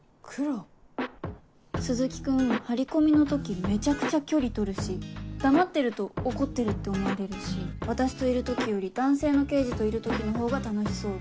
鈴木君張り込みの時めちゃくちゃ距離取るし黙ってると怒ってるって思われるし私といる時より男性の刑事といる時のほうが楽しそうで。